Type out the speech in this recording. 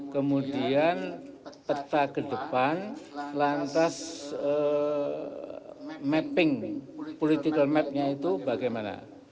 kemudian peta ke depan lantas mapping political map nya itu bagaimana